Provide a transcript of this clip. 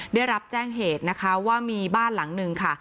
ได้รับแจ้งเหตุนะคะว่ามีบ้านหลังนึงค่ะ